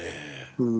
うん。